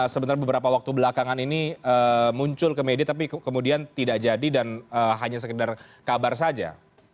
sebenarnya beberapa waktu belakangan ini muncul ke media tapi kemudian tidak jadi dan hanya sekedar kabar saja